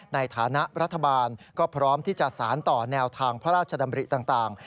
ในฐานะรัฐบาลก็พร้อมที่จะสารต่อแนวทางพระราชดำริต่าง